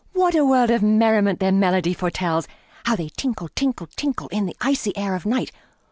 What a world of merriment their melody foretells! How they tinkle, tinkle, tinkle, In the icy air of night!